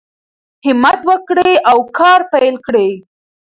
همت وکړئ او کار پیل کړئ.